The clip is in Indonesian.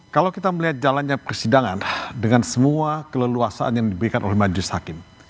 kalau kita melihat jalannya persidangan dengan semua keleluasaan yang diberikan oleh majlis hakim